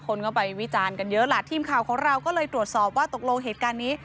คนก็ไปวิจารณ์กันเยอะแหละทีมข่าวของเราก็เลยตรวจสอบว่าตกลงเหตุการณ์นี้